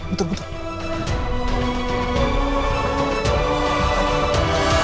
tidak aku mau ke sana